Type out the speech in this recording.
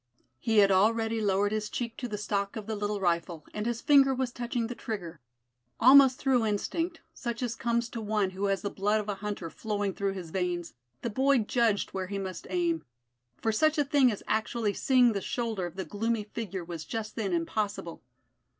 He had already lowered his cheek to the stock of the little rifle, and his finger was touching the trigger. Almost through instinct, such as comes to one who has the blood of a hunter flowing through his veins, the boy judged where he must aim, for such a thing as actually seeing the shoulder of the gloomy figure was just then impossible.